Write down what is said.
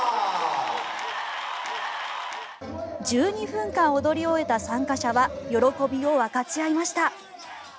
１２分間踊り終えた参加者は喜びを分かち合いました。